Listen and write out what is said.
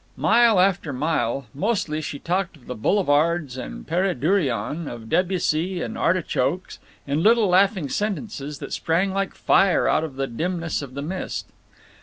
Mile after mile. Mostly she talked of the boulevards and Pere Dureon, of Debussy and artichokes, in little laughing sentences that sprang like fire out of the dimness of the mist.